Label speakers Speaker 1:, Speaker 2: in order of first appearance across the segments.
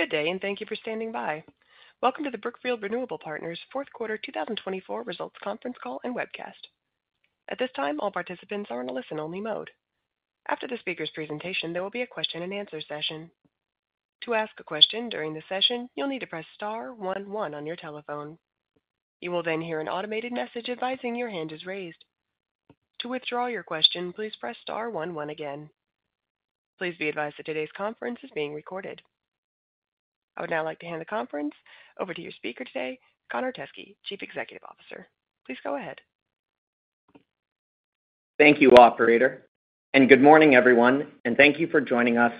Speaker 1: Good day, and thank you for standing by. Welcome to the Brookfield Renewable Partners Q4 2024 Results Conference Call and Webcast. At this time, all participants are in a listen-only mode. After the speaker's presentation, there will be a question-and-answer session. To ask a question during the session, you'll need to press star one one on your telephone. You will then hear an automated message advising your hand is raised. To withdraw your question, please press star one one again. Please be advised that today's conference is being recorded. I would now like to hand the conference over to your speaker today, Connor Teskey, Chief Executive Officer. Please go ahead.
Speaker 2: Thank you, Operator, and good morning, everyone, and thank you for joining us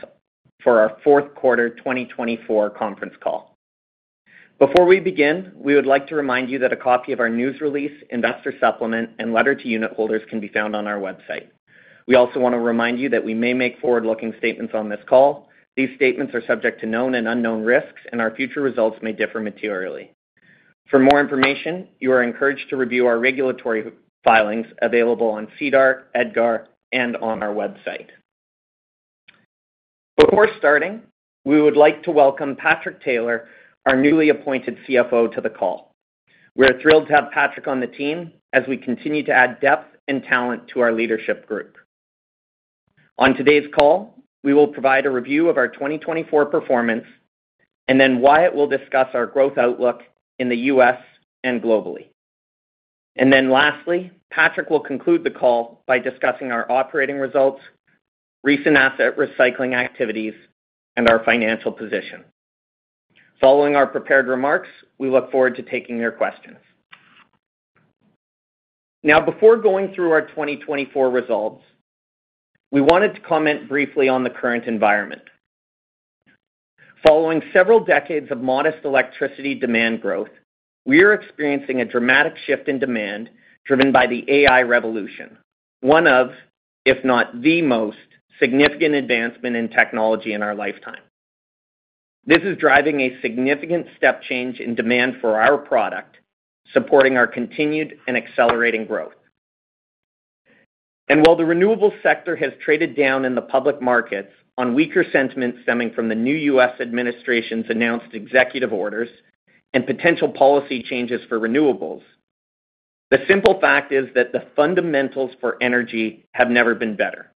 Speaker 2: for our Q4 2024 Conference Call. Before we begin, we would like to remind you that a copy of our news release, investor supplement, and letter to unit holders can be found on our website. We also want to remind you that we may make forward-looking statements on this call. These statements are subject to known and unknown risks, and our future results may differ materially. For more information, you are encouraged to review our regulatory filings available on SEDAR, EDGAR, and on our website. Before starting, we would like to welcome Patrick Taylor, our newly appointed CFO, to the call. We are thrilled to have Patrick on the team as we continue to add depth and talent to our leadership group. On today's call, we will provide a review of our 2024 performance and then Wyatt will discuss our growth outlook in the U.S. and globally. And then lastly, Patrick will conclude the call by discussing our operating results, recent asset recycling activities, and our financial position. Following our prepared remarks, we look forward to taking your questions. Now, before going through our 2024 results, we wanted to comment briefly on the current environment. Following several decades of modest electricity demand growth, we are experiencing a dramatic shift in demand driven by the AI revolution, one of, if not the most, significant advancements in technology in our lifetime. This is driving a significant step change in demand for our product, supporting our continued and accelerating growth. And while the renewables sector has traded down in the public markets on weaker sentiment stemming from the new U.S. Administration's announced executive orders and potential policy changes for renewables, the simple fact is that the fundamentals for energy have never been better.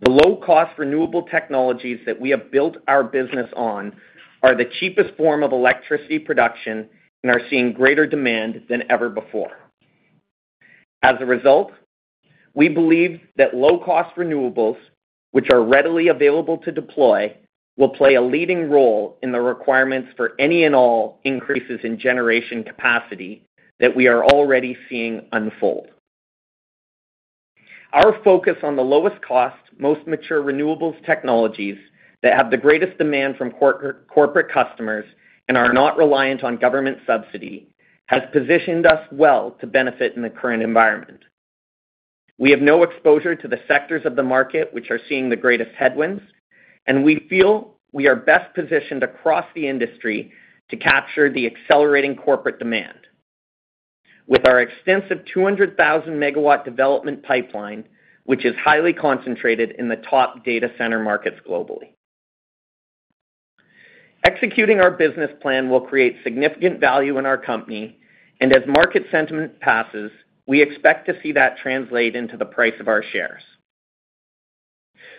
Speaker 2: The low-cost renewable technologies that we have built our business on are the cheapest form of electricity production and are seeing greater demand than ever before. As a result, we believe that low-cost renewables, which are readily available to deploy, will play a leading role in the requirements for any and all increases in generation capacity that we are already seeing unfold. Our focus on the lowest-cost, most mature renewables technologies that have the greatest demand from corporate customers and are not reliant on government subsidy has positioned us well to benefit in the current environment. We have no exposure to the sectors of the market which are seeing the greatest headwinds, and we feel we are best positioned across the industry to capture the accelerating corporate demand with our extensive 200,000-megawatt development pipeline, which is highly concentrated in the top data center markets globally. Executing our business plan will create significant value in our company, and as market sentiment passes, we expect to see that translate into the price of our shares.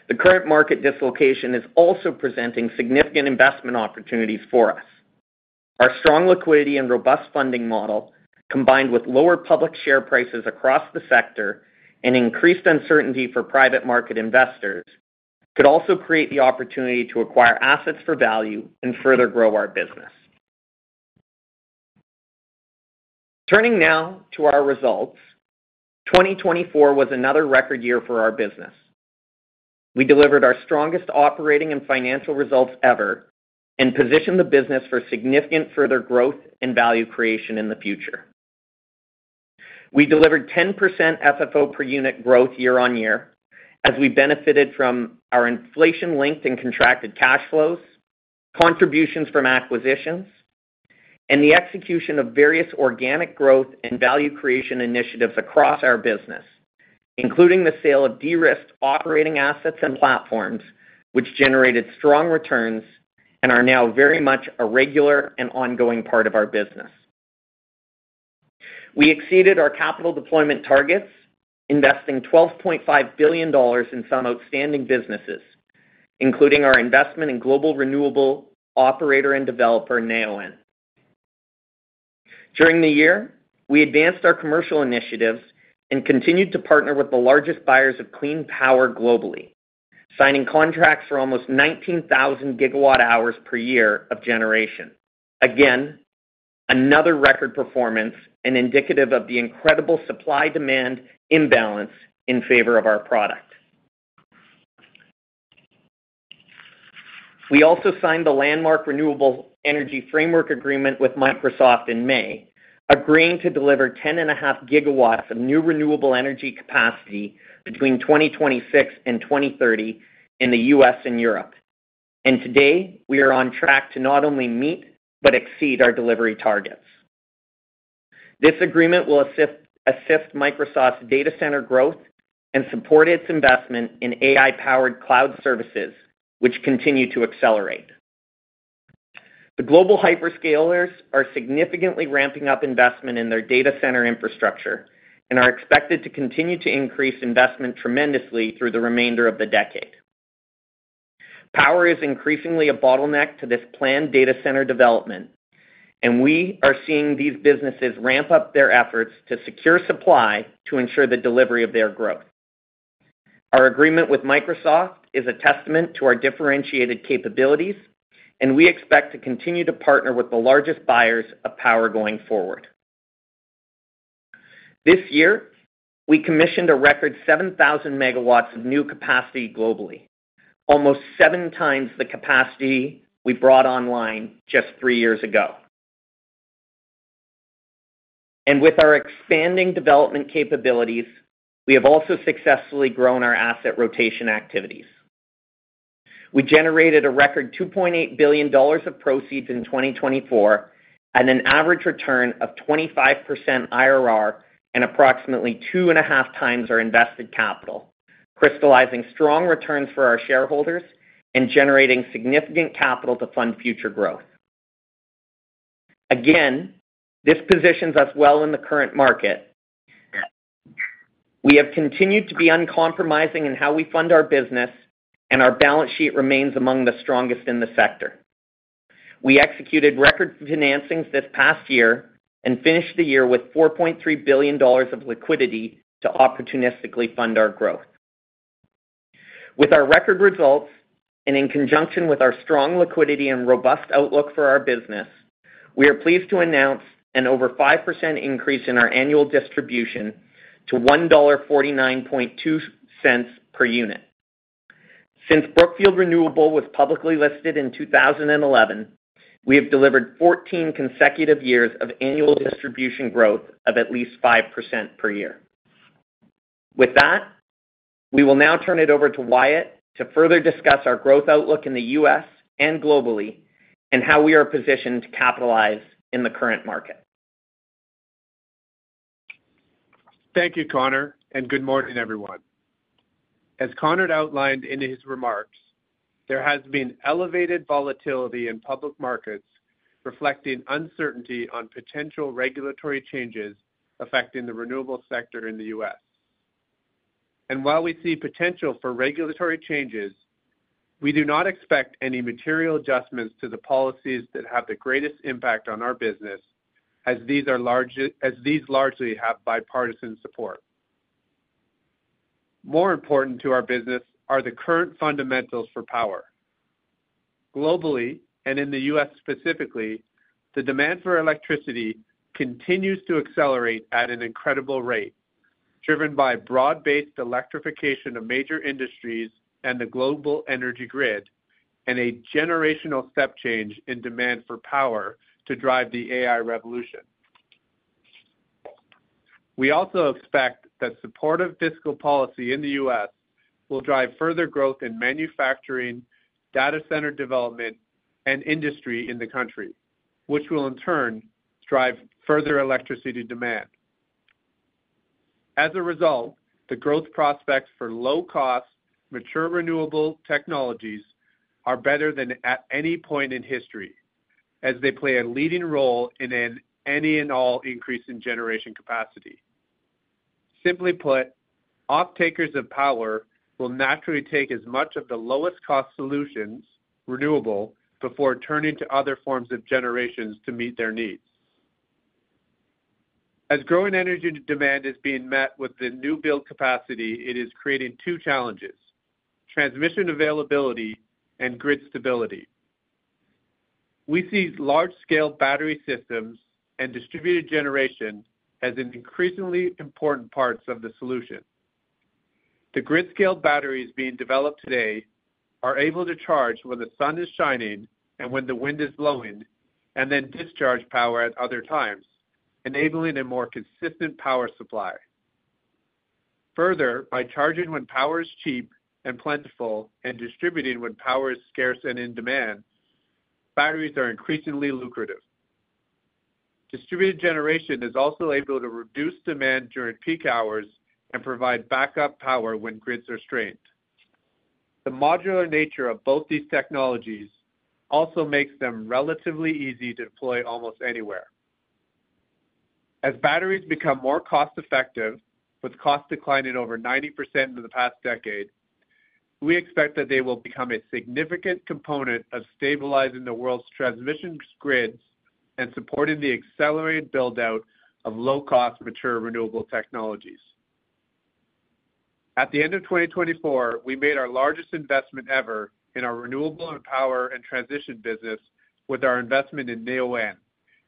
Speaker 2: The current market dislocation is also presenting significant investment opportunities for us. Our strong liquidity and robust funding model, combined with lower public share prices across the sector and increased uncertainty for private market investors, could also create the opportunity to acquire assets for value and further grow our business. Turning now to our results, 2024 was another record year for our business. We delivered our strongest operating and financial results ever and positioned the business for significant further growth and value creation in the future. We delivered 10% FFO per unit growth year on year as we benefited from our inflation-linked and contracted cash flows, contributions from acquisitions, and the execution of various organic growth and value creation initiatives across our business, including the sale of de-risked operating assets and platforms, which generated strong returns and are now very much a regular and ongoing part of our business. We exceeded our capital deployment targets, investing $12.5 billion in some outstanding businesses, including our investment in global renewable operator and developer, Neoen. During the year, we advanced our commercial initiatives and continued to partner with the largest buyers of clean power globally, signing contracts for almost 19,000 gigawatt-hours per year of generation. Again, another record performance and indicative of the incredible supply-demand imbalance in favor of our product. We also signed the Landmark Renewable Energy Framework Agreement with Microsoft in May, agreeing to deliver 10.5 GW of new renewable energy capacity between 2026 and 2030 in the U.S. and Europe. And today, we are on track to not only meet but exceed our delivery targets. This agreement will assist Microsoft's data center growth and support its investment in AI-powered cloud services, which continue to accelerate. The global hyperscalers are significantly ramping up investment in their data center infrastructure and are expected to continue to increase investment tremendously through the remainder of the decade. Power is increasingly a bottleneck to this planned data center development, and we are seeing these businesses ramp up their efforts to secure supply to ensure the delivery of their growth. Our agreement with Microsoft is a testament to our differentiated capabilities, and we expect to continue to partner with the largest buyers of power going forward. This year, we commissioned a record 7,000 megawatts of new capacity globally, almost seven times the capacity we brought online just three years ago, and with our expanding development capabilities, we have also successfully grown our asset rotation activities. We generated a record $2.8 billion of proceeds in 2024 and an average return of 25% IRR and approximately two and a half times our invested capital, crystallizing strong returns for our shareholders and generating significant capital to fund future growth. Again, this positions us well in the current market. We have continued to be uncompromising in how we fund our business, and our balance sheet remains among the strongest in the sector. We executed record financings this past year and finished the year with $4.3 billion of liquidity to opportunistically fund our growth. With our record results and in conjunction with our strong liquidity and robust outlook for our business, we are pleased to announce an over 5% increase in our annual distribution to $1.492 per unit. Since Brookfield Renewable was publicly listed in 2011, we have delivered 14 consecutive years of annual distribution growth of at least 5% per year. With that, we will now turn it over to Wyatt to further discuss our growth outlook in the U.S. and globally and how we are positioned to capitalize in the current market.
Speaker 3: Thank you, Connor, and good morning, everyone. As Connor outlined in his remarks, there has been elevated volatility in public markets reflecting uncertainty on potential regulatory changes affecting the renewable sector in the U.S., and while we see potential for regulatory changes, we do not expect any material adjustments to the policies that have the greatest impact on our business, as these largely have bipartisan support. More important to our business are the current fundamentals for power. Globally, and in the U.S. specifically, the demand for electricity continues to accelerate at an incredible rate, driven by broad-based electrification of major industries and the global energy grid, and a generational step change in demand for power to drive the AI revolution. We also expect that supportive fiscal policy in the U.S. will drive further growth in manufacturing, data center development, and industry in the country, which will in turn drive further electricity demand. As a result, the growth prospects for low-cost, mature renewable technologies are better than at any point in history, as they play a leading role in any and all increases in generation capacity. Simply put, off-takers of power will naturally take as much of the lowest-cost solutions, renewable, before turning to other forms of generation to meet their needs. As growing energy demand is being met with the new build capacity, it is creating two challenges: transmission availability and grid stability. We see large-scale battery systems and distributed generation as increasingly important parts of the solution. The grid-scale batteries being developed today are able to charge when the sun is shining and when the wind is blowing and then discharge power at other times, enabling a more consistent power supply. Further, by charging when power is cheap and plentiful and distributing when power is scarce and in demand, batteries are increasingly lucrative. Distributed generation is also able to reduce demand during peak hours and provide backup power when grids are strained. The modular nature of both these technologies also makes them relatively easy to deploy almost anywhere. As batteries become more cost-effective, with costs declining over 90% in the past decade, we expect that they will become a significant component of stabilizing the world's transmission grids and supporting the accelerated build-out of low-cost, mature renewable technologies. At the end of 2024, we made our largest investment ever in our renewable power and transition business with our investment in Neoen,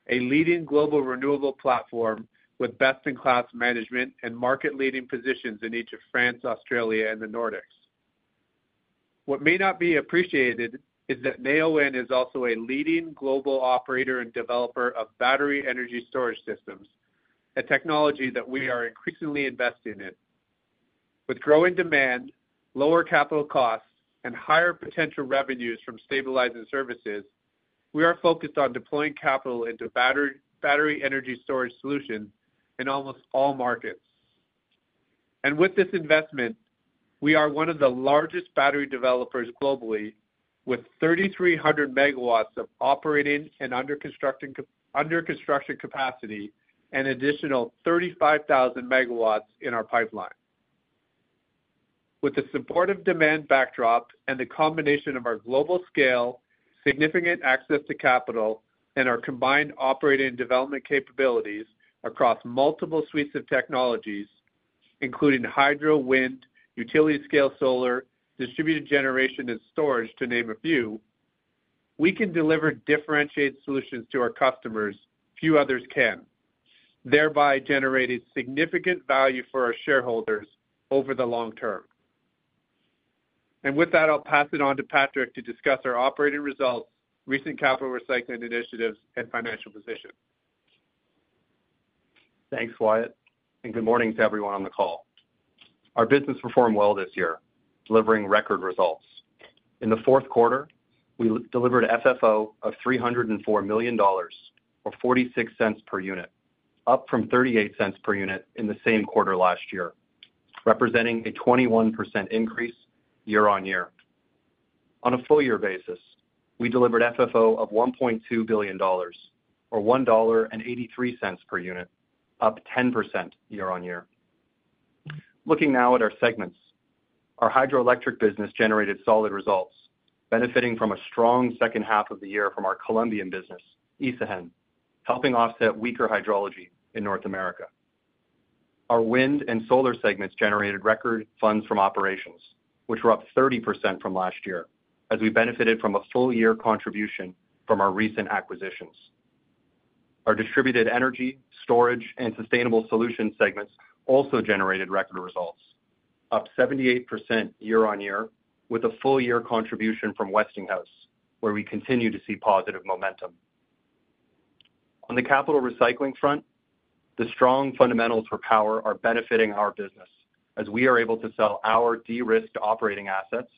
Speaker 3: a leading global renewable platform with best-in-class management and market-leading positions in each of France, Australia, and the Nordics. What may not be appreciated is that Neoen is also a leading global operator and developer of battery energy storage systems, a technology that we are increasingly investing in. With growing demand, lower capital costs, and higher potential revenues from stabilizing services, we are focused on deploying capital into battery energy storage solutions in almost all markets. And with this investment, we are one of the largest battery developers globally, with 3,300 megawatts of operating and under-construction capacity and an additional 35,000 megawatts in our pipeline. With the supportive demand backdrop and the combination of our global scale, significant access to capital, and our combined operating and development capabilities across multiple suites of technologies, including hydro, wind, utility-scale solar, distributed generation, and storage, to name a few, we can deliver differentiated solutions to our customers few others can, thereby generating significant value for our shareholders over the long term. And with that, I'll pass it on to Patrick to discuss our operating results, recent capital recycling initiatives, and financial position.
Speaker 4: Thanks, Wyatt, and good morning to everyone on the call. Our business performed well this year, delivering record results. In the Q4, we delivered FFO of $304 million, or $0.46 per unit, up from $0.38 per unit in the same quarter last year, representing a 21% increase year on year. On a full-year basis, we delivered FFO of $1.2 billion, or $1.83 per unit, up 10% year on year. Looking now at our segments, our hydroelectric business generated solid results, benefiting from a strong second half of the year from our Colombian business, Isagen, helping offset weaker hydrology in North America. Our wind and solar segments generated record funds from operations, which were up 30% from last year, as we benefited from a full-year contribution from our recent acquisitions. Our distributed energy, storage, and sustainable solutions segments also generated record results, up 78% year on year, with a full-year contribution from Westinghouse, where we continue to see positive momentum. On the capital recycling front, the strong fundamentals for power are benefiting our business, as we are able to sell our de-risked operating assets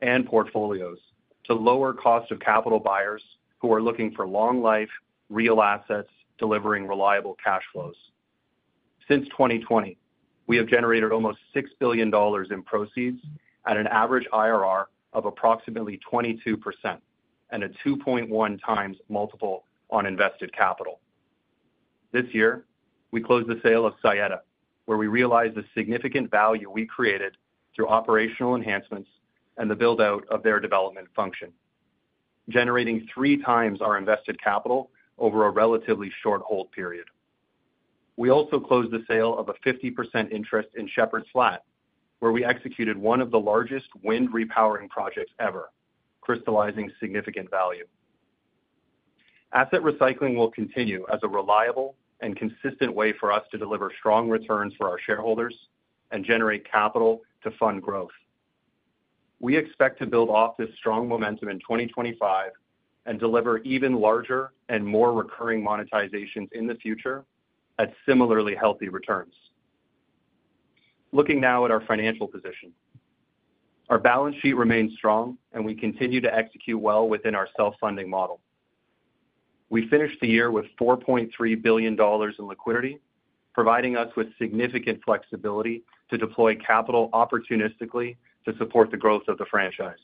Speaker 4: and portfolios to lower-cost capital buyers who are looking for long-life, real assets delivering reliable cash flows. Since 2020, we have generated almost $6 billion in proceeds at an average IRR of approximately 22% and a 2.1 times multiple on invested capital. This year, we closed the sale of Saeta Yield, where we realized the significant value we created through operational enhancements and the build-out of their development function, generating three times our invested capital over a relatively short hold period. We also closed the sale of a 50% interest in Shepherds Flat, where we executed one of the largest wind repowering projects ever, crystallizing significant value. Asset recycling will continue as a reliable and consistent way for us to deliver strong returns for our shareholders and generate capital to fund growth. We expect to build off this strong momentum in 2025 and deliver even larger and more recurring monetizations in the future at similarly healthy returns. Looking now at our financial position, our balance sheet remains strong, and we continue to execute well within our self-funding model. We finished the year with $4.3 billion in liquidity, providing us with significant flexibility to deploy capital opportunistically to support the growth of the franchise.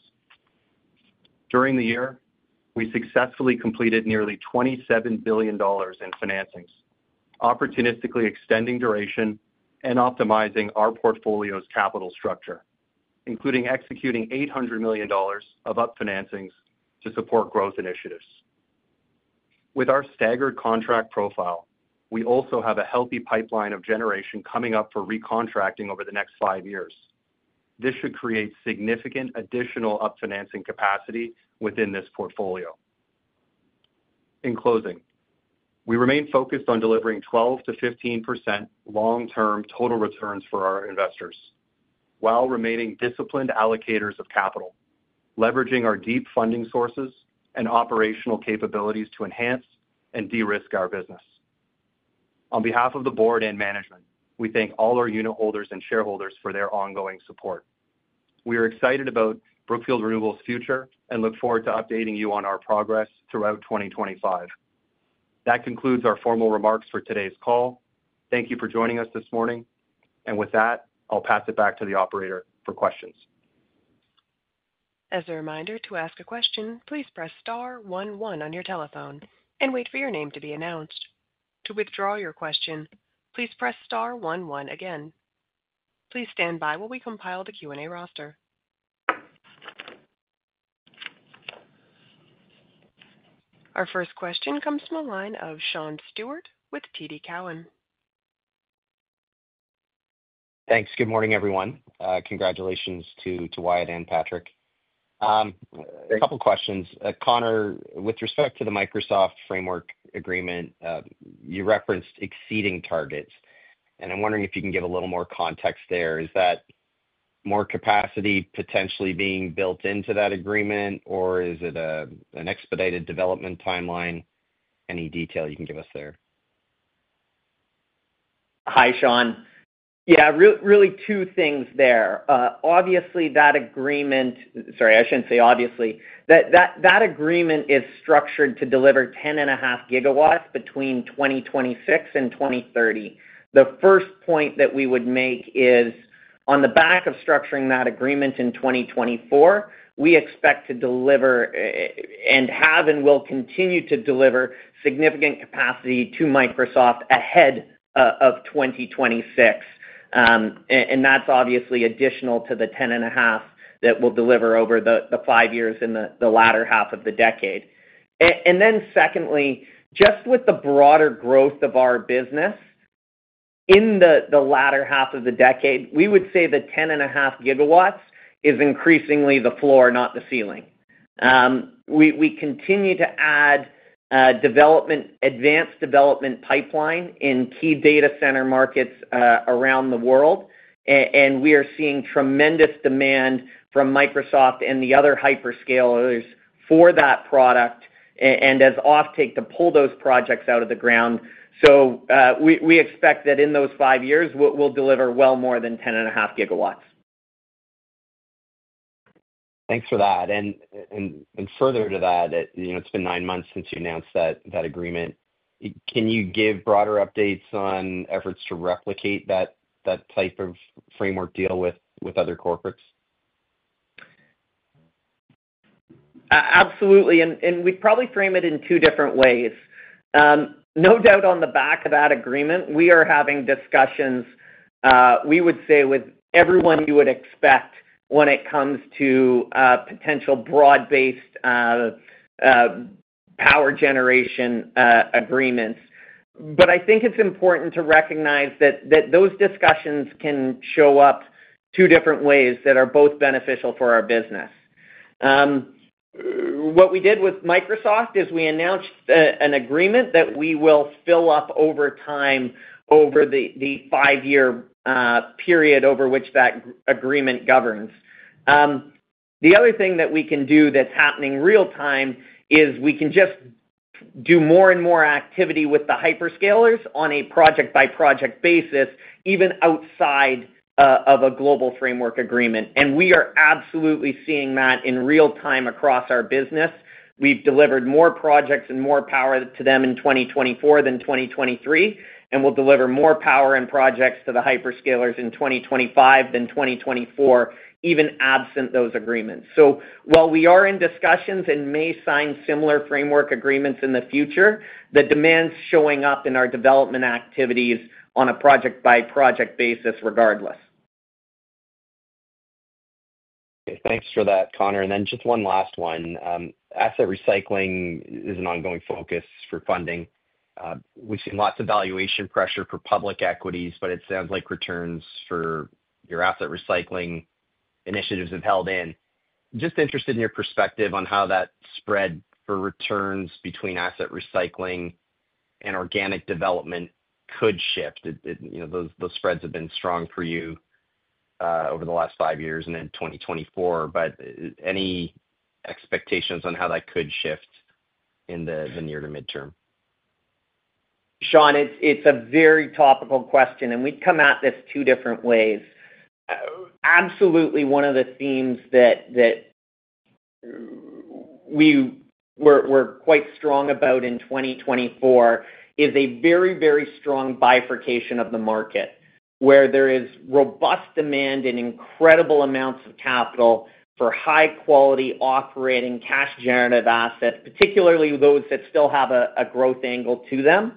Speaker 4: During the year, we successfully completed nearly $27 billion in financings, opportunistically extending duration and optimizing our portfolio's capital structure, including executing $800 million of up-financings to support growth initiatives. With our staggered contract profile, we also have a healthy pipeline of generation coming up for recontracting over the next five years. This should create significant additional up-financing capacity within this portfolio. In closing, we remain focused on delivering 12% to 15% long-term total returns for our investors while remaining disciplined allocators of capital, leveraging our deep funding sources and operational capabilities to enhance and de-risk our business. On behalf of the board and management, we thank all our unit holders and shareholders for their ongoing support. We are excited about Brookfield Renewable's future and look forward to updating you on our progress throughout 2025. That concludes our formal remarks for today's call. Thank you for joining us this morning. With that, I'll pass it back to the operator for questions.
Speaker 1: As a reminder, to ask a question, please press star 1-1 on your telephone and wait for your name to be announced. To withdraw your question, please press star 1-1 again. Please stand by while we compile the Q&A roster. Our first question comes from a line of Sean Stewart with TD Cowen.
Speaker 5: Thanks. Good morning, everyone. Congratulations to Wyatt and Patrick. A couple of questions. Connor, with respect to the Microsoft Framework Agreement, you referenced exceeding targets. And I'm wondering if you can give a little more context there. Is that more capacity potentially being built into that agreement, or is it an expedited development timeline? Any detail you can give us there?
Speaker 2: Hi, Sean. Yeah, really two things there. Obviously, that agreement, sorry, I shouldn't say obviously. That agreement is structured to deliver 10.5 GW between 2026 and 2030. The first point that we would make is, on the back of structuring that agreement in 2024, we expect to deliver and have and will continue to deliver significant capacity to Microsoft ahead of 2026. And that's obviously additional to the 10.5 that we'll deliver over the five years in the latter half of the decade. And then secondly, just with the broader growth of our business in the latter half of the decade, we would say the 10.5 GW is increasingly the floor, not the ceiling. We continue to add advanced development pipeline in key data center markets around the world. We are seeing tremendous demand from Microsoft and the other hyperscalers for that product and as offtake to pull those projects out of the ground. We expect that in those five years, we'll deliver well more than 10.5 GW.
Speaker 5: Thanks for that. And further to that, it's been nine months since you announced that agreement. Can you give broader updates on efforts to replicate that type of framework deal with other corporates?
Speaker 2: Absolutely, and we'd probably frame it in two different ways. No doubt on the back of that agreement, we are having discussions, we would say, with everyone you would expect when it comes to potential broad-based power generation agreements, but I think it's important to recognize that those discussions can show up two different ways that are both beneficial for our business. What we did with Microsoft is we announced an agreement that we will fill up over time over the five-year period over which that agreement governs. The other thing that we can do that's happening real-time is we can just do more and more activity with the hyperscalers on a project-by-project basis, even outside of a global framework agreement, and we are absolutely seeing that in real-time across our business. We've delivered more projects and more power to them in 2024 than 2023, and we'll deliver more power and projects to the hyperscalers in 2025 than 2024, even absent those agreements. So while we are in discussions and may sign similar framework agreements in the future, the demand's showing up in our development activities on a project-by-project basis regardless.
Speaker 5: Okay. Thanks for that, Connor. And then just one last one. Asset recycling is an ongoing focus for funding. We've seen lots of valuation pressure for public equities, but it sounds like returns for your asset recycling initiatives have held in. Just interested in your perspective on how that spread for returns between asset recycling and organic development could shift. Those spreads have been strong for you over the last five years and in 2024. But any expectations on how that could shift in the near to midterm?
Speaker 2: Sean, it's a very topical question, and we've come at this two different ways. Absolutely, one of the themes that we were quite strong about in 2024 is a very, very strong bifurcation of the market, where there is robust demand and incredible amounts of capital for high-quality operating cash-generative assets, particularly those that still have a growth angle to them,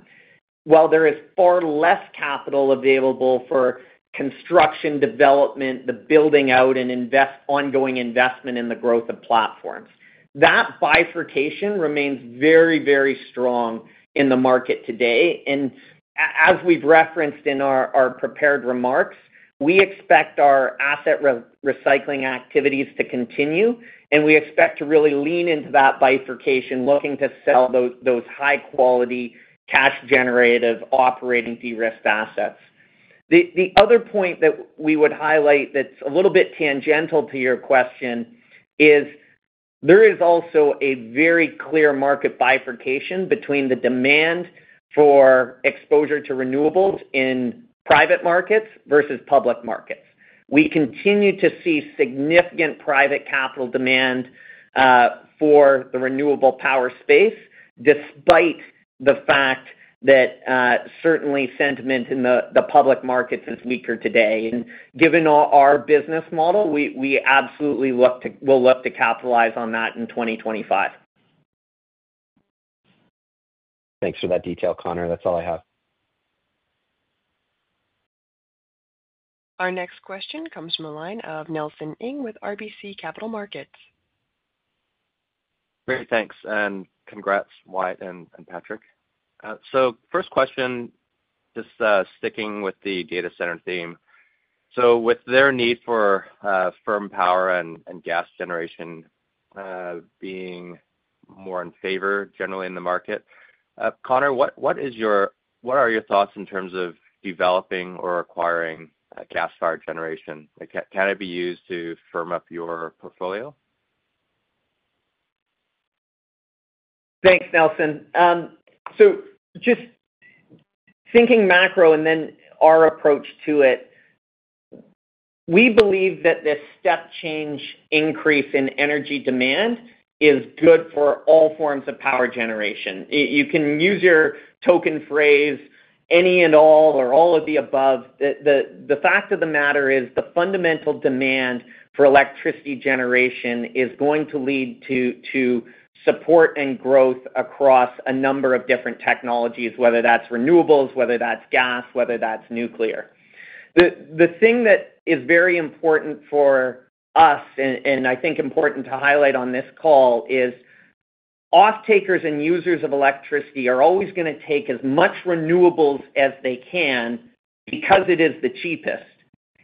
Speaker 2: while there is far less capital available for construction, development, the building out, and ongoing investment in the growth of platforms. That bifurcation remains very, very strong in the market today, and as we've referenced in our prepared remarks, we expect our asset recycling activities to continue, and we expect to really lean into that bifurcation, looking to sell those high-quality cash-generative operating de-risked assets. The other point that we would highlight that's a little bit tangential to your question is there is also a very clear market bifurcation between the demand for exposure to renewables in private markets versus public markets. We continue to see significant private capital demand for the renewable power space, despite the fact that certainly sentiment in the public markets is weaker today, and given our business model, we absolutely will look to capitalize on that in 2025.
Speaker 5: Thanks for that detail, Connor. That's all I have.
Speaker 1: Our next question comes from a line of Nelson Ng with RBC Capital Markets.
Speaker 6: Great. Thanks. And congrats, Wyatt and Patrick. So first question, just sticking with the data center theme. So with their need for firm power and gas generation being more in favor generally in the market, Connor, what are your thoughts in terms of developing or acquiring gas power generation? Can it be used to firm up your portfolio?
Speaker 2: Thanks, Nelson. So just thinking macro and then our approach to it, we believe that this step change increase in energy demand is good for all forms of power generation. You can use your token phrase, any and all or all of the above. The fact of the matter is the fundamental demand for electricity generation is going to lead to support and growth across a number of different technologies, whether that's renewables, whether that's gas, whether that's nuclear. The thing that is very important for us, and I think important to highlight on this call, is off-takers and users of electricity are always going to take as much renewables as they can because it is the cheapest,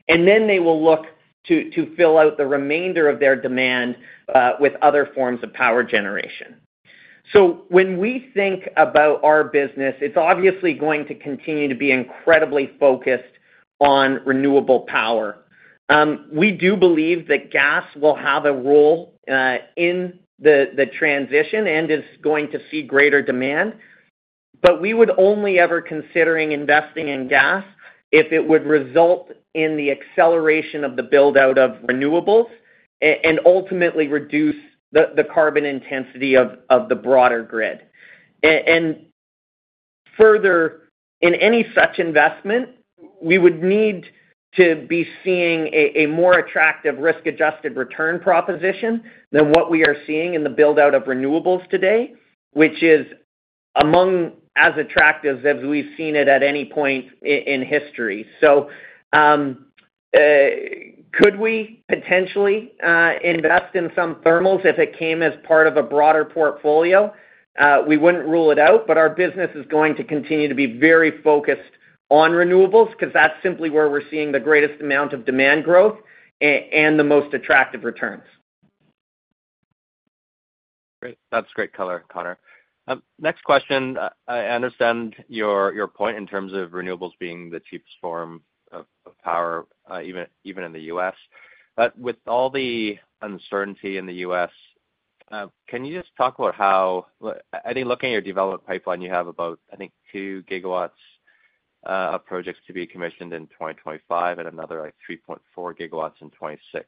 Speaker 2: and then they will look to fill out the remainder of their demand with other forms of power generation. So when we think about our business, it's obviously going to continue to be incredibly focused on renewable power. We do believe that gas will have a role in the transition and is going to see greater demand. But we would only ever consider investing in gas if it would result in the acceleration of the build-out of renewables and ultimately reduce the carbon intensity of the broader grid. And further, in any such investment, we would need to be seeing a more attractive risk-adjusted return proposition than what we are seeing in the build-out of renewables today, which is among as attractive as we've seen it at any point in history. So could we potentially invest in some thermals if it came as part of a broader portfolio? We wouldn't rule it out, but our business is going to continue to be very focused on renewables because that's simply where we're seeing the greatest amount of demand growth and the most attractive returns.
Speaker 6: Great. That's great color, Connor. Next question. I understand your point in terms of renewables being the cheapest form of power, even in the U.S. But with all the uncertainty in the U.S., can you just talk about how, I think, looking at your development pipeline, you have about, I think, two GW of projects to be commissioned in 2025 and another 3.4 GW in 2026.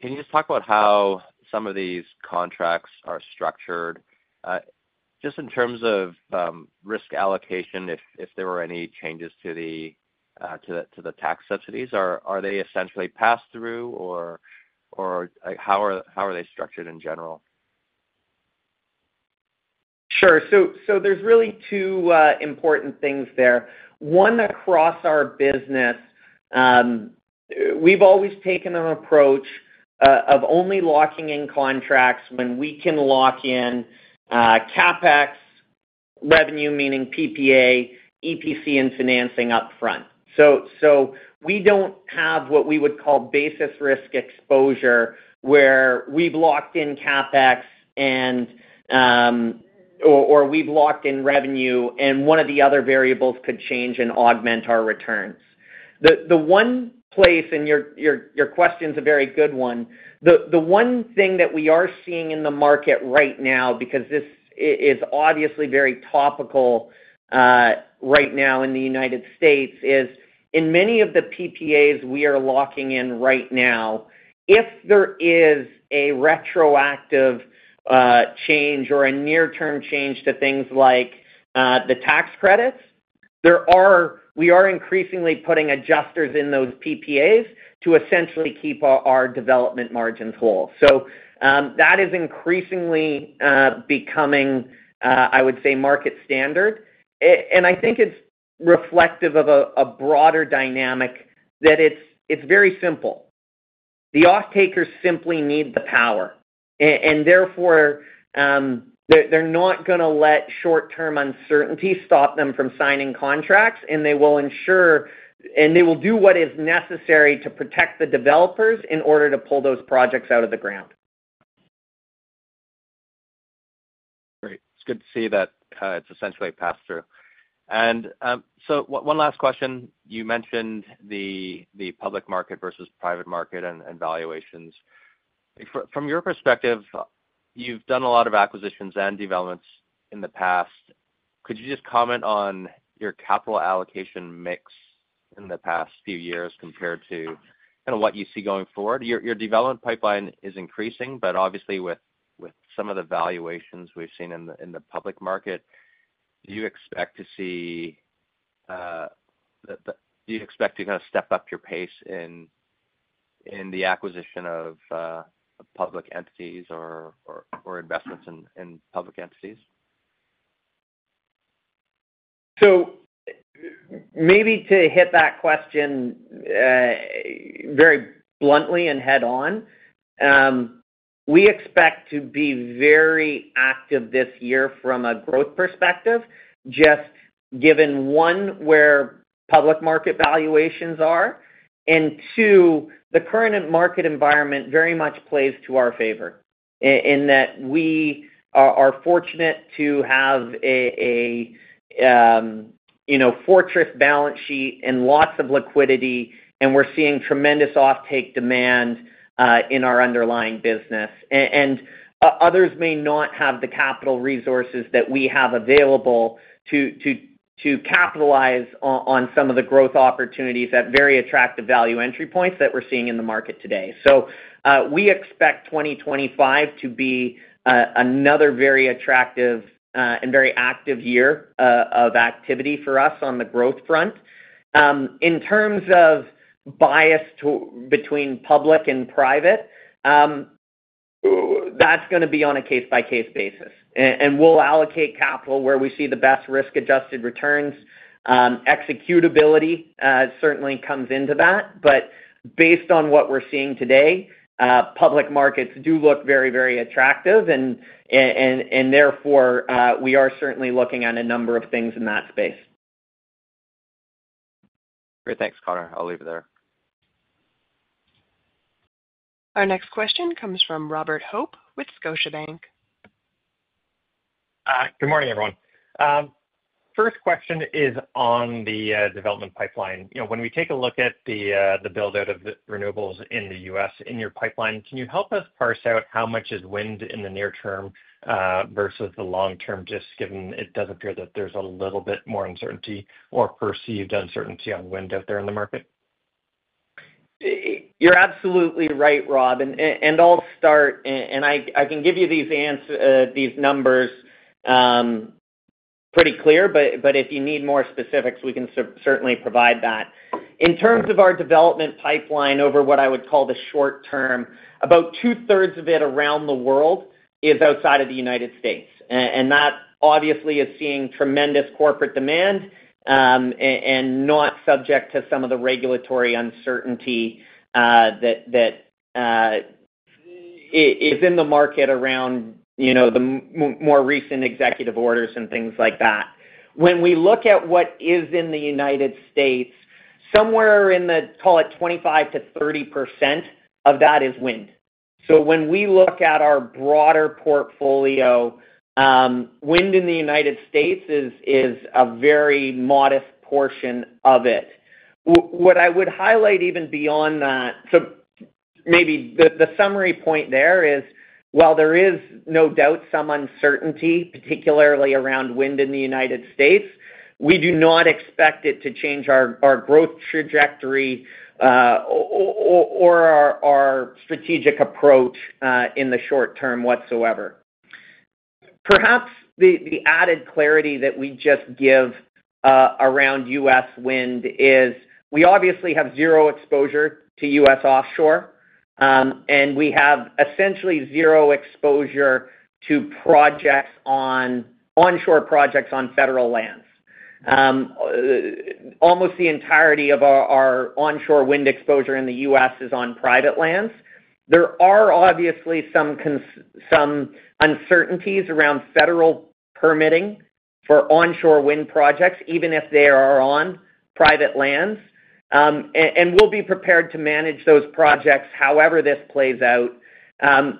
Speaker 6: Can you just talk about how some of these contracts are structured just in terms of risk allocation, if there were any changes to the tax subsidies? Are they essentially passed through, or how are they structured in general?
Speaker 2: Sure. So there's really two important things there. One, across our business, we've always taken an approach of only locking in contracts when we can lock in CapEx, revenue, meaning PPA, EPC, and financing upfront. So we don't have what we would call basis risk exposure where we've locked in CapEx or we've locked in revenue, and one of the other variables could change and augment our returns. The one place, and your question's a very good one, the one thing that we are seeing in the market right now, because this is obviously very topical right now in the United States, is in many of the PPAs we are locking in right now, if there is a retroactive change or a near-term change to things like the tax credits, we are increasingly putting adjusters in those PPAs to essentially keep our development margins whole. So that is increasingly becoming, I would say, market standard. And I think it's reflective of a broader dynamic that it's very simple. The off-takers simply need the power. And therefore, they're not going to let short-term uncertainty stop them from signing contracts, and they will ensure and they will do what is necessary to protect the developers in order to pull those projects out of the ground.
Speaker 6: Great. It's good to see that it's essentially passed through. And so one last question. You mentioned the public market versus private market and valuations. From your perspective, you've done a lot of acquisitions and developments in the past. Could you just comment on your capital allocation mix in the past few years compared to kind of what you see going forward? Your development pipeline is increasing, but obviously, with some of the valuations we've seen in the public market, do you expect to kind of step up your pace in the acquisition of public entities or investments in public entities?
Speaker 2: So maybe to hit that question very bluntly and head-on, we expect to be very active this year from a growth perspective, just given one, where public market valuations are, and two, the current market environment very much plays to our favor in that we are fortunate to have a fortress balance sheet and lots of liquidity, and we're seeing tremendous off-take demand in our underlying business. And others may not have the capital resources that we have available to capitalize on some of the growth opportunities at very attractive value entry points that we're seeing in the market today. So we expect 2025 to be another very very attractive and very active year of activity for us on the growth front. In terms of bias between public and private, that's going to be on a case-by-case basis. And we'll allocate capital where we see the best risk-adjusted returns. Executability certainly comes into that. But based on what we're seeing today, public markets do look very, very attractive, and therefore, we are certainly looking at a number of things in that space.
Speaker 6: Great. Thanks, Connor. I'll leave it there.
Speaker 1: Our next question comes from Robert Hope with Scotiabank.
Speaker 7: Good morning, everyone. First question is on the development pipeline. When we take a look at the build-out of renewables in the U.S., in your pipeline, can you help us parse out how much is wind in the near term versus the long term, just given it does appear that there's a little bit more uncertainty or perceived uncertainty on wind out there in the market?
Speaker 2: You're absolutely right, Rob. And I'll start, and I can give you these numbers pretty clear, but if you need more specifics, we can certainly provide that. In terms of our development pipeline over what I would call the short term, about two-thirds of it around the world is outside of the United States. And that obviously is seeing tremendous corporate demand and not subject to some of the regulatory uncertainty that is in the market around the more recent executive orders and things like that. When we look at what is in the United States, somewhere in the, call it 25%-30% of that is wind. So when we look at our broader portfolio, wind in the United States is a very modest portion of it. What I would highlight even beyond that, so maybe the summary point there is, while there is no doubt some uncertainty, particularly around wind in the United States, we do not expect it to change our growth trajectory or our strategic approach in the short term whatsoever. Perhaps the added clarity that we just give around U.S. wind is we obviously have zero exposure to U.S. offshore, and we have essentially zero exposure to onshore projects on federal lands. Almost the entirety of our onshore wind exposure in the U.S. is on private lands. There are obviously some uncertainties around federal permitting for onshore wind projects, even if they are on private lands. And we'll be prepared to manage those projects however this plays out.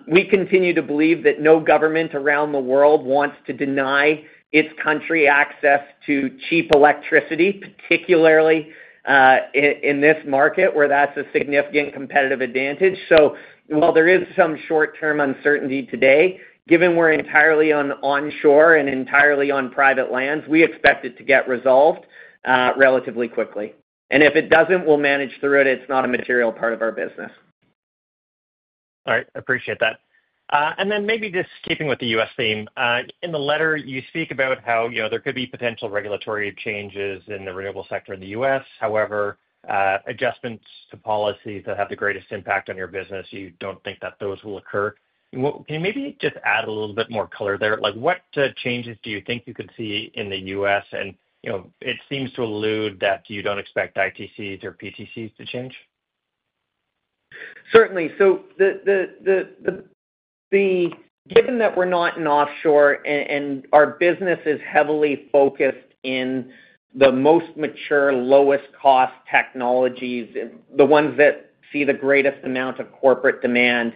Speaker 2: We continue to believe that no government around the world wants to deny its country access to cheap electricity, particularly in this market where that's a significant competitive advantage. So while there is some short-term uncertainty today, given we're entirely on onshore and entirely on private lands, we expect it to get resolved relatively quickly, and if it doesn't, we'll manage through it. It's not a material part of our business.
Speaker 7: All right. I appreciate that, and then maybe just keeping with the U.S. theme, in the letter, you speak about how there could be potential regulatory changes in the renewable sector in the U.S. However, adjustments to policies that have the greatest impact on your business, you don't think that those will occur. Can you maybe just add a little bit more color there? What changes do you think you could see in the U.S., and it seems to allude that you don't expect ITCs or PTCs to change.
Speaker 2: Certainly, so given that we're not in offshore and our business is heavily focused in the most mature, lowest-cost technologies, the ones that see the greatest amount of corporate demand,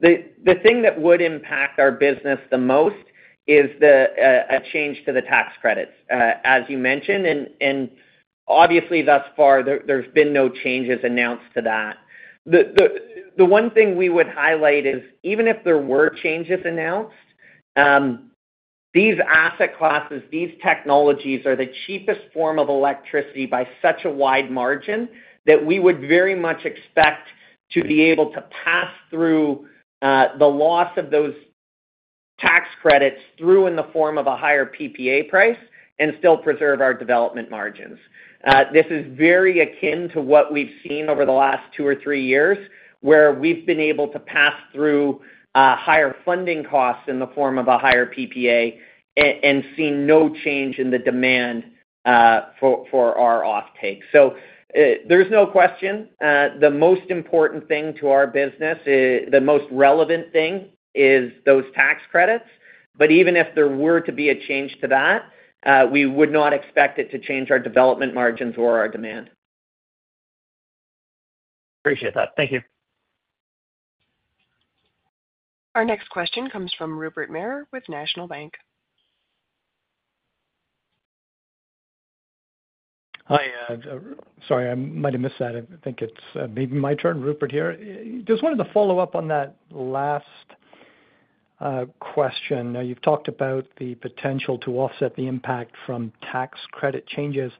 Speaker 2: the thing that would impact our business the most is a change to the tax credits, as you mentioned, and obviously, thus far, there's been no changes announced to that. The one thing we would highlight is, even if there were changes announced, these asset classes, these technologies are the cheapest form of electricity by such a wide margin that we would very much expect to be able to pass through the loss of those tax credits through in the form of a higher PPA price and still preserve our development margins. This is very akin to what we've seen over the last two or three years where we've been able to pass through higher funding costs in the form of a higher PPA and see no change in the demand for our off-take. So there's no question. The most important thing to our business, the most relevant thing, is those tax credits. But even if there were to be a change to that, we would not expect it to change our development margins or our demand.
Speaker 7: Appreciate that. Thank you.
Speaker 1: Our next question comes from Rupert Merer with National Bank.
Speaker 8: Hi. Sorry, I might have missed that. I think it's maybe my turn, Rupert here. Just wanted to follow up on that last question. You've talked about the potential to offset the impact from tax credit changes.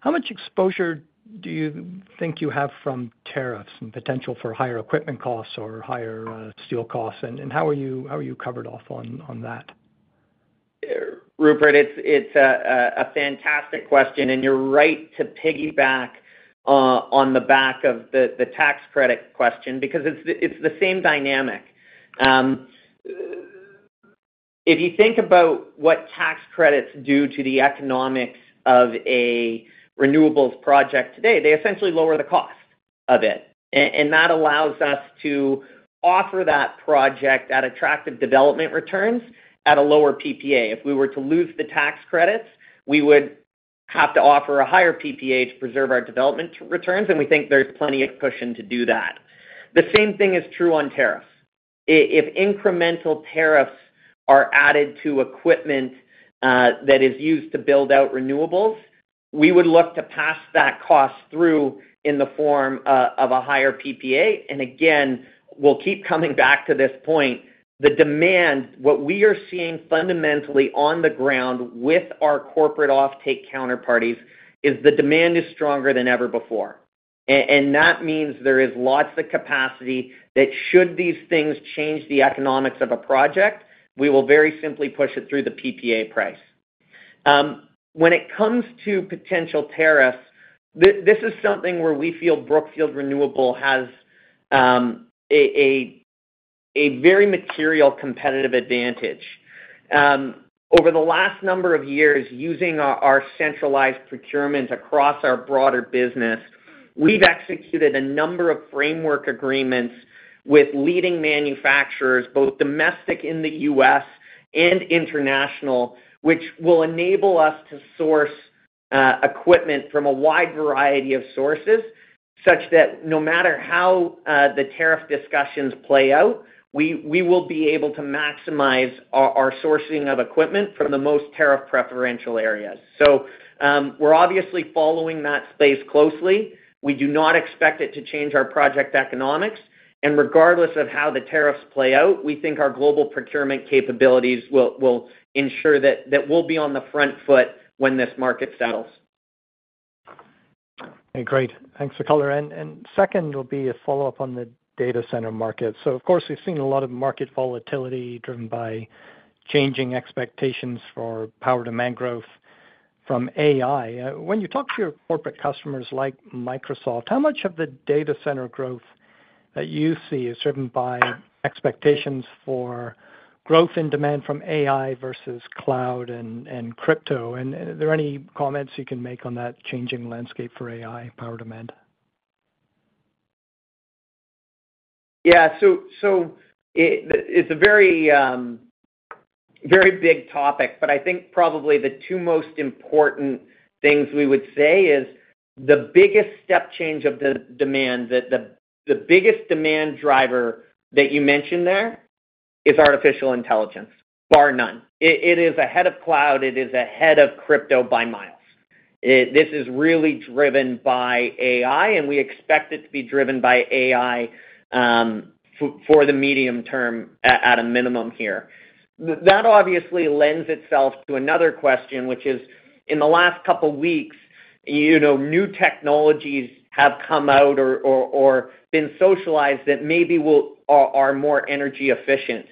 Speaker 8: How much exposure do you think you have from tariffs and potential for higher equipment costs or higher steel costs? And how are you covered off on that?
Speaker 2: Rupert, it's a fantastic question. And you're right to piggyback on the back of the tax credit question because it's the same dynamic. If you think about what tax credits do to the economics of a renewables project today, they essentially lower the cost of it. And that allows us to offer that project at attractive development returns at a lower PPA. If we were to lose the tax credits, we would have to offer a higher PPA to preserve our development returns. And we think there's plenty of cushion to do that. The same thing is true on tariffs. If incremental tariffs are added to equipment that is used to build out renewables, we would look to pass that cost through in the form of a higher PPA. And again, we'll keep coming back to this point. The demand, what we are seeing fundamentally on the ground with our corporate off-take counterparties, is the demand is stronger than ever before, and that means there is lots of capacity that should these things change the economics of a project, we will very simply push it through the PPA price. When it comes to potential tariffs, this is something where we feel Brookfield Renewable has a very material competitive advantage. Over the last number of years, using our centralized procurement across our broader business, we've executed a number of framework agreements with leading manufacturers, both domestic in the U.S. and international, which will enable us to source equipment from a wide variety of sources such that no matter how the tariff discussions play out, we will be able to maximize our sourcing of equipment from the most tariff-preferential areas, so we're obviously following that space closely. We do not expect it to change our project economics, and regardless of how the tariffs play out, we think our global procurement capabilities will ensure that we'll be on the front foot when this market settles.
Speaker 8: Okay. Great. Thanks for the color, and second will be a follow-up on the data center market, so of course, we've seen a lot of market volatility driven by changing expectations for power demand growth from AI. When you talk to your corporate customers like Microsoft, how much of the data center growth that you see is driven by expectations for growth in demand from AI versus cloud and crypto, and are there any comments you can make on that changing landscape for AI power demand?
Speaker 2: Yeah. So it's a very big topic, but I think probably the two most important things we would say is the biggest step change of the demand, the biggest demand driver that you mentioned there is artificial intelligence, bar none. It is ahead of cloud. It is ahead of crypto by miles. This is really driven by AI, and we expect it to be driven by AI for the medium term at a minimum here. That obviously lends itself to another question, which is, in the last couple of weeks, new technologies have come out or been socialized that maybe are more energy efficient.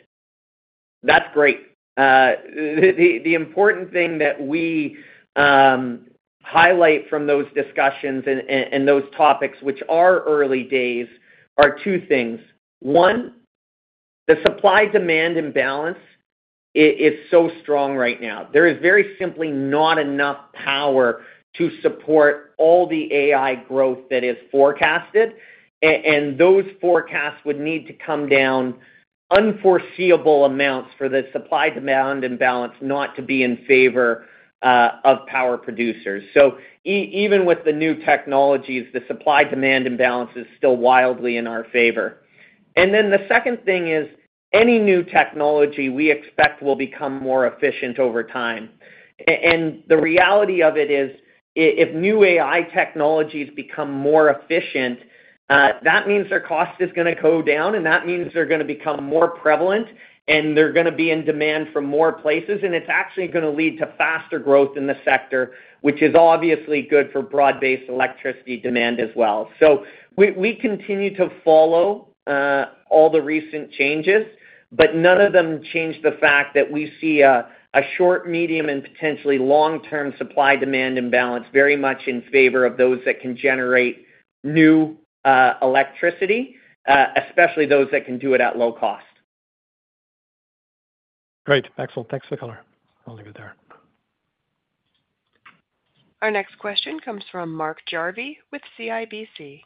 Speaker 2: That's great. The important thing that we highlight from those discussions and those topics, which are early days, are two things. One, the supply-demand imbalance is so strong right now. There is very simply not enough power to support all the AI growth that is forecasted. And those forecasts would need to come down unforeseeable amounts for the supply-demand imbalance not to be in favor of power producers. So even with the new technologies, the supply-demand imbalance is still wildly in our favor. And then the second thing is any new technology we expect will become more efficient over time. And the reality of it is if new AI technologies become more efficient, that means their cost is going to go down, and that means they're going to become more prevalent, and they're going to be in demand from more places. And it's actually going to lead to faster growth in the sector, which is obviously good for broad-based electricity demand as well. We continue to follow all the recent changes, but none of them change the fact that we see a short, medium, and potentially long-term supply-demand imbalance very much in favor of those that can generate new electricity, especially those that can do it at low cost.
Speaker 8: Great. Excellent. Thanks for the color. I'll leave it there.
Speaker 1: Our next question comes from Mark Jarvi with CIBC.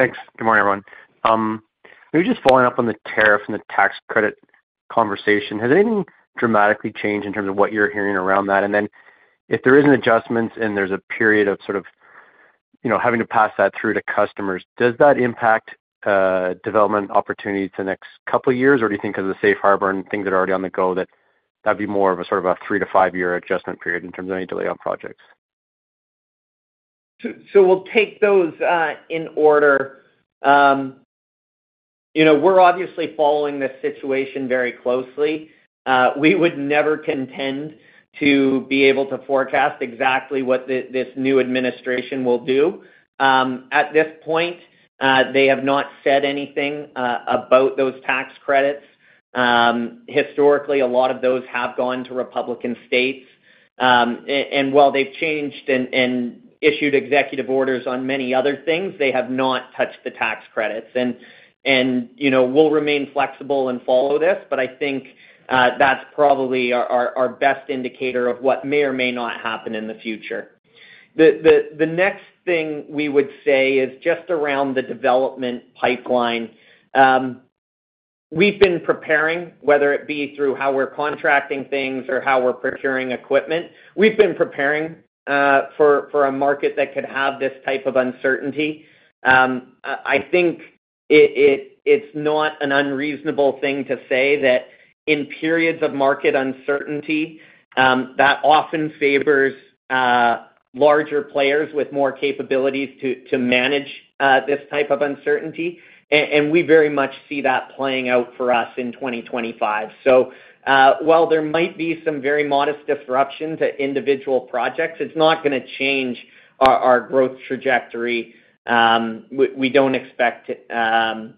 Speaker 9: Thanks. Good morning, everyone. We were just following up on the tariffs and the tax credit conversation. Has anything dramatically changed in terms of what you're hearing around that? And then if there is an adjustment and there's a period of sort of having to pass that through to customers, does that impact development opportunities the next couple of years, or do you think because of the safe harbor and things that are already on the go that that would be more of a sort of a three-to-five-year adjustment period in terms of any delay on projects?
Speaker 2: We'll take those in order. We're obviously following this situation very closely. We would never contend to be able to forecast exactly what this new administration will do. At this point, they have not said anything about those tax credits. Historically, a lot of those have gone to Republican states. While they've changed and issued executive orders on many other things, they have not touched the tax credits. We'll remain flexible and follow this, but I think that's probably our best indicator of what may or may not happen in the future. The next thing we would say is just around the development pipeline. We've been preparing, whether it be through how we're contracting things or how we're procuring equipment, we've been preparing for a market that could have this type of uncertainty. I think it's not an unreasonable thing to say that in periods of market uncertainty, that often favors larger players with more capabilities to manage this type of uncertainty. And we very much see that playing out for us in 2025. So while there might be some very modest disruption to individual projects, it's not going to change our growth trajectory. We don't expect anything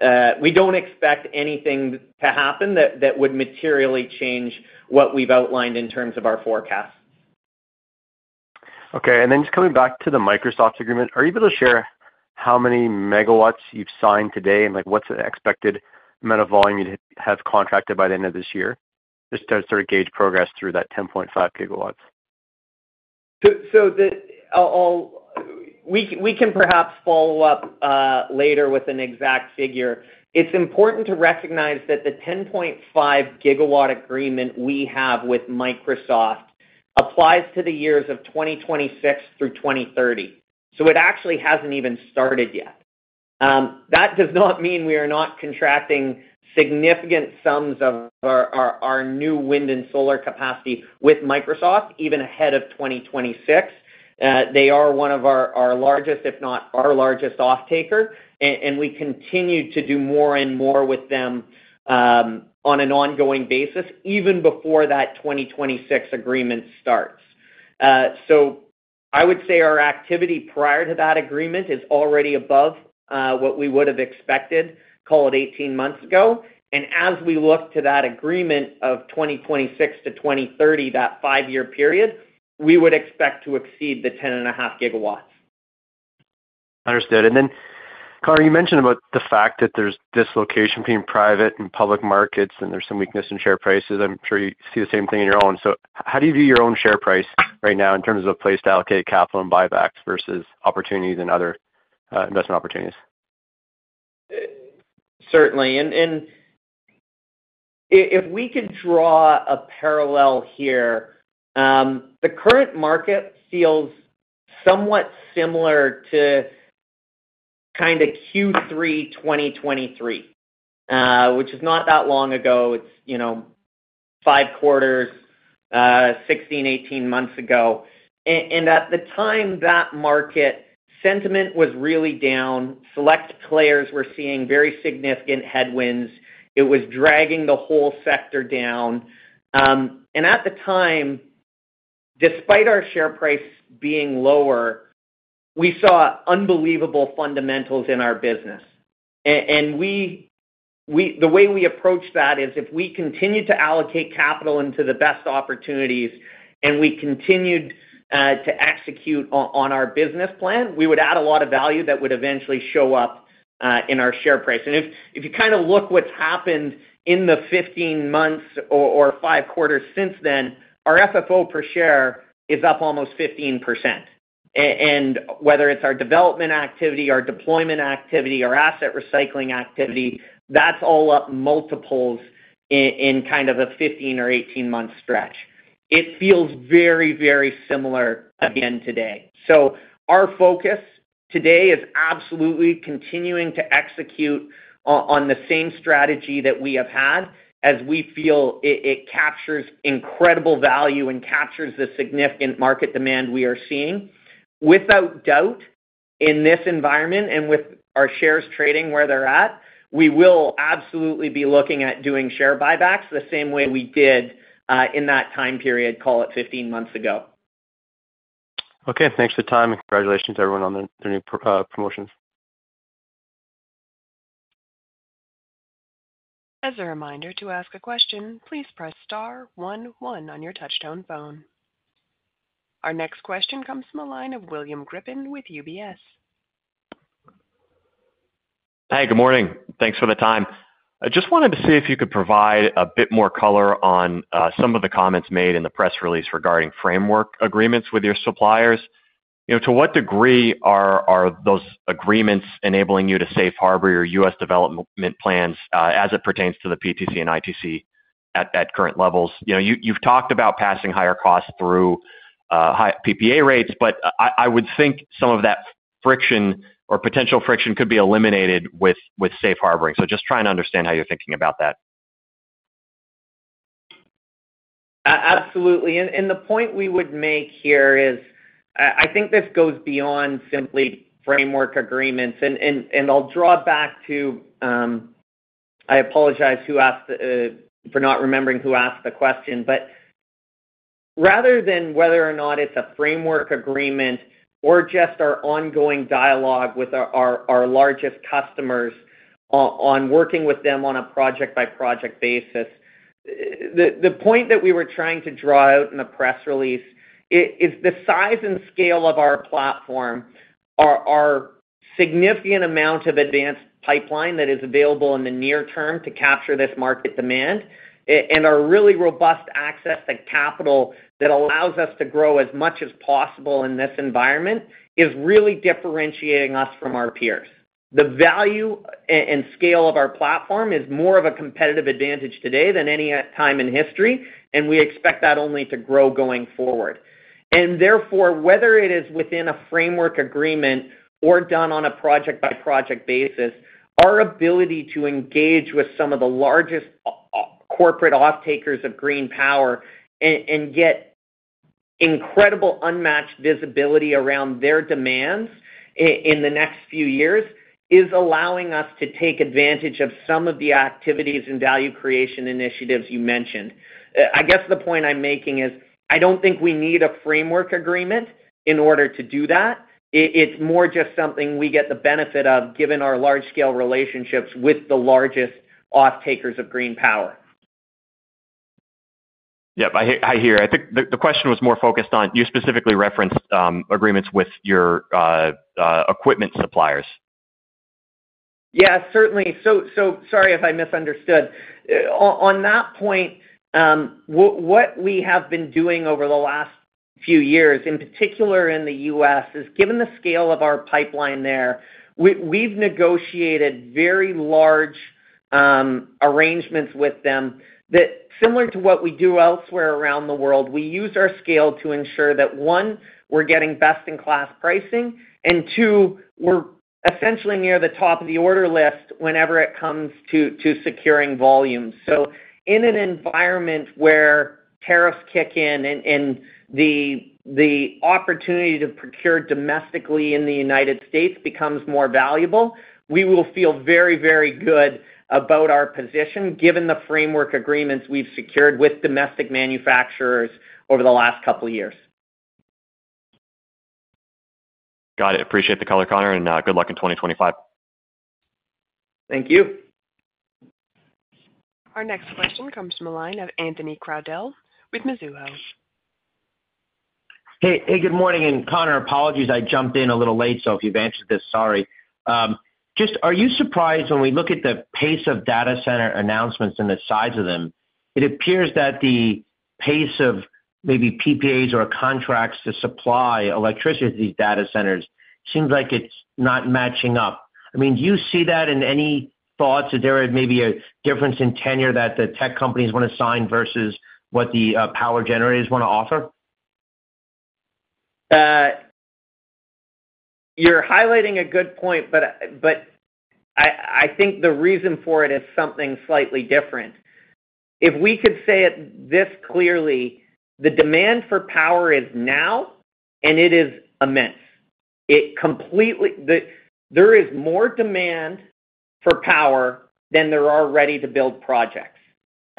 Speaker 2: to happen that would materially change what we've outlined in terms of our forecasts.
Speaker 9: Okay. And then just coming back to the Microsoft agreement, are you able to share how many megawatts you've signed today and what's the expected amount of volume you have contracted by the end of this year just to sort of gauge progress through that 10.5 GW?
Speaker 2: So we can perhaps follow up later with an exact figure. It's important to recognize that the 10.5 gigawatt agreement we have with Microsoft applies to the years of 2026 through 2030. So it actually hasn't even started yet. That does not mean we are not contracting significant sums of our new wind and solar capacity with Microsoft even ahead of 2026. They are one of our largest, if not our largest off-taker. And we continue to do more and more with them on an ongoing basis even before that 2026 agreement starts. So I would say our activity prior to that agreement is already above what we would have expected 18 months ago. And as we look to that agreement of 2026 to 2030, that five-year period, we would expect to exceed the 10.5 GW.
Speaker 9: Understood. And then, Connor, you mentioned about the fact that there's dislocation between private and public markets, and there's some weakness in share prices. I'm sure you see the same thing in your own. So how do you view your own share price right now in terms of a place to allocate capital and buybacks versus opportunities and other investment opportunities?
Speaker 2: Certainly. And if we could draw a parallel here, the current market feels somewhat similar to kind of Q3 2023, which is not that long ago. It's five quarters, 16, 18 months ago. And at the time, that market sentiment was really down. Select players were seeing very significant headwinds. It was dragging the whole sector down. And at the time, despite our share price being lower, we saw unbelievable fundamentals in our business. And the way we approach that is if we continue to allocate capital into the best opportunities and we continued to execute on our business plan, we would add a lot of value that would eventually show up in our share price. And if you kind of look at what's happened in the 15 months or five quarters since then, our FFO per share is up almost 15%. Whether it's our development activity, our deployment activity, or asset recycling activity, that's all up multiples in kind of a 15- or 18-month stretch. It feels very, very similar again today. Our focus today is absolutely continuing to execute on the same strategy that we have had as we feel it captures incredible value and captures the significant market demand we are seeing. Without doubt, in this environment and with our shares trading where they're at, we will absolutely be looking at doing share buybacks the same way we did in that time period, call it 15 months ago.
Speaker 9: Okay. Thanks for the time. And congratulations to everyone on their new promotions.
Speaker 1: As a reminder to ask a question, please press star 11 on your touchtone phone. Our next question comes from a line of William Grippin with UBS.
Speaker 10: Hi. Good morning. Thanks for the time. I just wanted to see if you could provide a bit more color on some of the comments made in the press release regarding framework agreements with your suppliers. To what degree are those agreements enabling you to safe harbor your U.S. development plans as it pertains to the PTC and ITC at current levels? You've talked about passing higher costs through PPA rates, but I would think some of that friction or potential friction could be eliminated with safe harboring. So just trying to understand how you're thinking about that.
Speaker 2: Absolutely. And the point we would make here is I think this goes beyond simply framework agreements. And I'll draw back to - I apologize for not remembering who asked the question - but rather than whether or not it's a framework agreement or just our ongoing dialogue with our largest customers on working with them on a project-by-project basis, the point that we were trying to draw out in the press release is the size and scale of our platform, our significant amount of advanced pipeline that is available in the near term to capture this market demand, and our really robust access to capital that allows us to grow as much as possible in this environment is really differentiating us from our peers. The value and scale of our platform is more of a competitive advantage today than any time in history, and we expect that only to grow going forward. And therefore, whether it is within a framework agreement or done on a project-by-project basis, our ability to engage with some of the largest corporate off-takers of green power and get incredible unmatched visibility around their demands in the next few years is allowing us to take advantage of some of the activities and value creation initiatives you mentioned. I guess the point I'm making is I don't think we need a framework agreement in order to do that. It's more just something we get the benefit of given our large-scale relationships with the largest off-takers of green power.
Speaker 10: Yep. I hear. I think the question was more focused on you specifically referenced agreements with your equipment suppliers.
Speaker 2: Yeah. Certainly, so sorry if I misunderstood. On that point, what we have been doing over the last few years, in particular in the U.S., is given the scale of our pipeline there, we've negotiated very large arrangements with them that, similar to what we do elsewhere around the world, we use our scale to ensure that, one, we're getting best-in-class pricing, and two, we're essentially near the top of the order list whenever it comes to securing volumes, so in an environment where tariffs kick in and the opportunity to procure domestically in the United States becomes more valuable, we will feel very, very good about our position given the framework agreements we've secured with domestic manufacturers over the last couple of years.
Speaker 10: Got it. Appreciate the color, Connor, and good luck in 2025.
Speaker 2: Thank you.
Speaker 1: Our next question comes from a line of Anthony Crowdell with Mizuho.
Speaker 11: Hey. Good morning. And Connor, apologies. I jumped in a little late, so if you've answered this, sorry. Just, are you surprised when we look at the pace of data center announcements and the size of them? It appears that the pace of maybe PPAs or contracts to supply electricity to these data centers seems like it's not matching up. I mean, do you see that? Any thoughts? Is there maybe a difference in tenor that the tech companies want to sign versus what the power generators want to offer?
Speaker 2: You're highlighting a good point, but I think the reason for it is something slightly different. If we could say it this clearly, the demand for power is now, and it is immense. There is more demand for power than there are ready-to-build projects.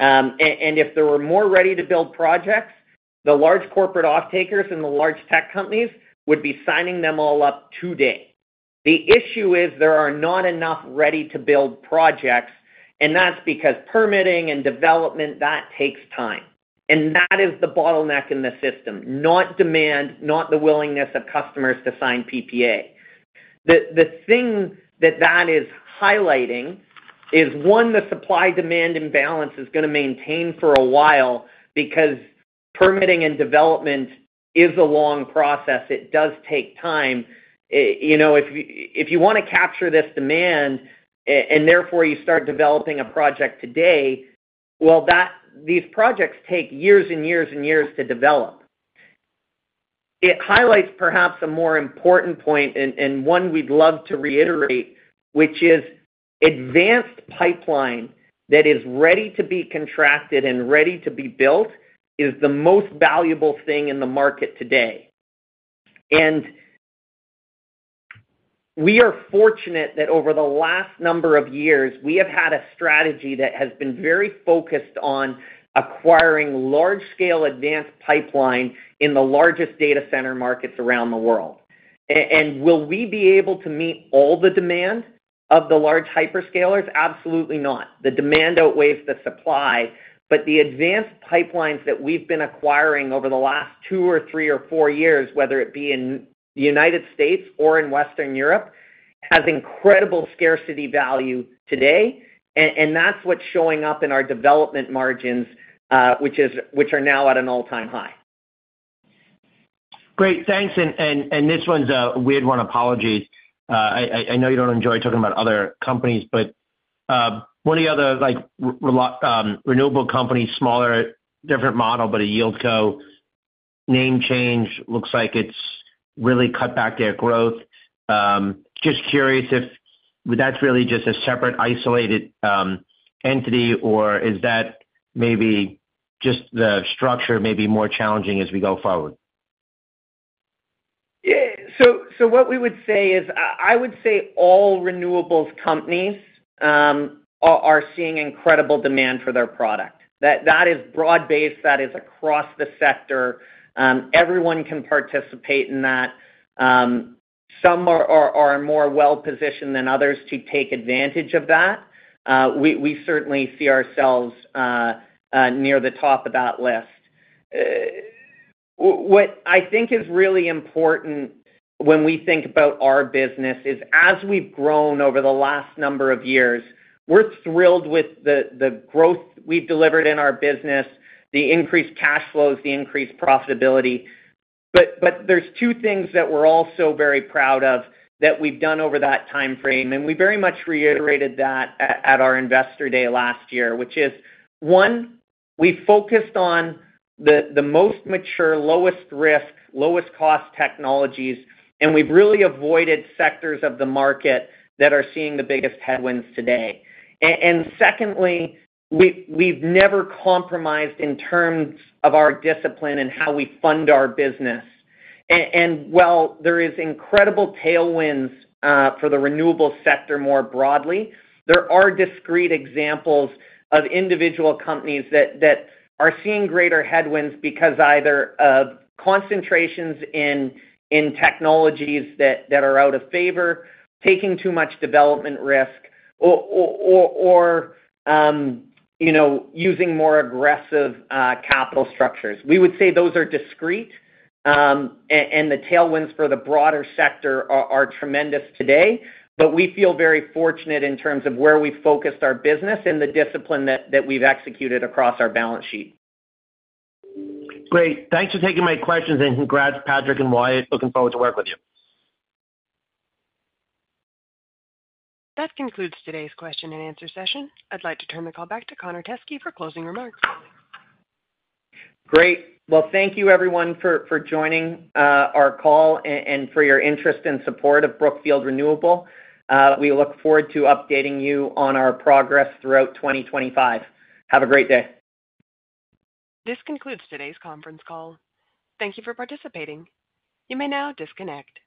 Speaker 2: And if there were more ready-to-build projects, the large corporate off-takers and the large tech companies would be signing them all up today. The issue is there are not enough ready-to-build projects, and that's because permitting and development, that takes time. And that is the bottleneck in the system, not demand, not the willingness of customers to sign PPA. The thing that that is highlighting is, one, the supply-demand imbalance is going to maintain for a while because permitting and development is a long process. It does take time. If you want to capture this demand and therefore you start developing a project today, well, these projects take years and years and years to develop. It highlights perhaps a more important point and one we'd love to reiterate, which is advanced pipeline that is ready to be contracted and ready to be built is the most valuable thing in the market today. And we are fortunate that over the last number of years, we have had a strategy that has been very focused on acquiring large-scale advanced pipeline in the largest data center markets around the world. And will we be able to meet all the demand of the large hyperscalers? Absolutely not. The demand outweighs the supply. But the advanced pipelines that we've been acquiring over the last two or three or four years, whether it be in the United States or in Western Europe, have incredible scarcity value today. And that's what's showing up in our development margins, which are now at an all-time high.
Speaker 11: Great. Thanks. And this one's a weird one. Apologies. I know you don't enjoy talking about other companies, but one of the other renewable companies, smaller different model, but a yieldco name change. Looks like it's really cut back their growth. Just curious if that's really just a separate isolated entity, or is that maybe just the structure may be more challenging as we go forward?
Speaker 2: What we would say is I would say all renewables companies are seeing incredible demand for their product. That is broad-based. That is across the sector. Everyone can participate in that. Some are more well-positioned than others to take advantage of that. We certainly see ourselves near the top of that list. What I think is really important when we think about our business is as we've grown over the last number of years, we're thrilled with the growth we've delivered in our business, the increased cash flows, the increased profitability. But there's two things that we're also very proud of that we've done over that time frame. And we very much reiterated that at our investor day last year, which is, one, we focused on the most mature, lowest risk, lowest cost technologies, and we've really avoided sectors of the market that are seeing the biggest headwinds today. And secondly, we've never compromised in terms of our discipline and how we fund our business. And while there are incredible tailwinds for the renewable sector more broadly, there are discrete examples of individual companies that are seeing greater headwinds because either of concentrations in technologies that are out of favor, taking too much development risk, or using more aggressive capital structures. We would say those are discrete, and the tailwinds for the broader sector are tremendous today. But we feel very fortunate in terms of where we focused our business and the discipline that we've executed across our balance sheet.
Speaker 11: Great. Thanks for taking my questions, and congrats, Patrick and Wyatt. Looking forward to working with you.
Speaker 1: That concludes today's question and answer session. I'd like to turn the call back to Connor Teskey for closing remarks.
Speaker 2: Great. Well, thank you, everyone, for joining our call and for your interest and support of Brookfield Renewable. We look forward to updating you on our progress throughout 2025. Have a great day.
Speaker 1: This concludes today's conference call. Thank you for participating. You may now disconnect.